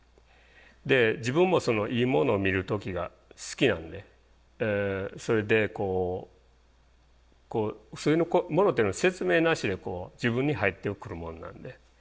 で自分もいいものを見る時が好きなんでそれでこうそういうものっていうのは説明なしで自分に入ってくるもんなんで。